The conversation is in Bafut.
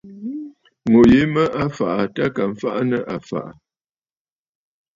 Ŋù yìi mə a fàꞌà aa tâ à ka mfaꞌa nɨ a fa aà.